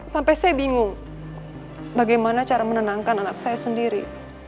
sampai saya bingung bagaimana cara menenangkan anak saya sendiri